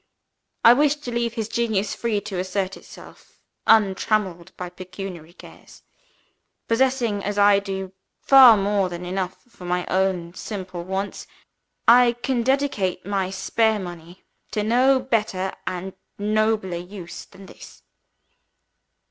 I wish to leave his genius free to assert itself, untrammeled by pecuniary cares. Possessing, as I do, far more than enough for my own simple wants, I can dedicate my spare money to no better and nobler use than this.